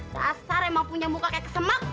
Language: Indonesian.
sasar emang punya muka kayak kesemak